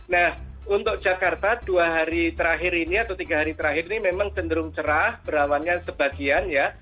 nah untuk jakarta dua hari terakhir ini atau tiga hari terakhir ini memang cenderung cerah berawannya sebagian ya